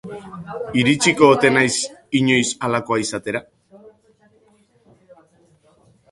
Iritsiko ote naiz inoiz halakoa izatera?